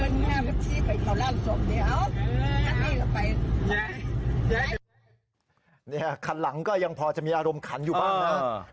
เนี่ยคันหลังก็ยังพอจะมีอารมณ์ขันอยู่บ้างนะ